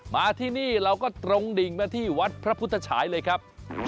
มาที่นี่เราก็ตรงดิ่งมาที่วัดพระพุทธฉายเลยครับ